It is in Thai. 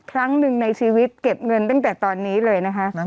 ครั้งหนึ่งในชีวิตเก็บเงินตั้งแต่ตอนนี้เลยนะคะ